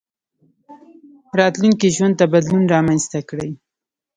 راتلونکي ژوند ته بدلون رامنځته کړئ.